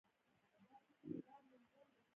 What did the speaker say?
د دولت لپاره ملت اړین دی